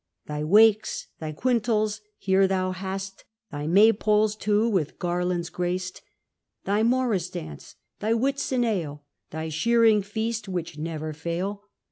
Thy wakes, thy quintels, here thou hast, Thy May poles too with garlands graced; Thy Morris dance; thy Whitsun ale; Thy shearing feast, which never fail.